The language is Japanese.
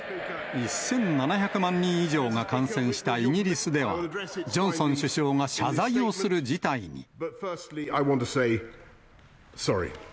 １７００万人以上が感染したイギリスでは、ジョンソン首相が謝罪をする事態に。